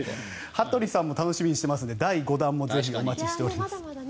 羽鳥さんも楽しみにしていますから第５弾もぜひお待ちしております。